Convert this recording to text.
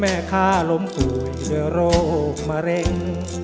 แม่ค้าล้มป่วยด้วยโรคมะเร็ง